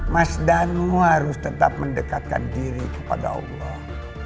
mas danu harus tetap mendekatkan diri kepada allah